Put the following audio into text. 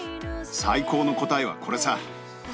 最高の答えはこれさ。